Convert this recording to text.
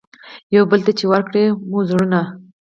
یوه بل ته چي ورکړي مو وه زړونه